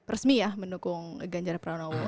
resmi ya mendukung ganjar pranowo